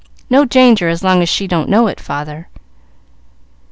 "No danger as long as she don't know it, father."